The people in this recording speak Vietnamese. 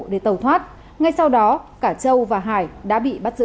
để tàu thoát ngay sau đó cả châu và hải đã bị bắt giữ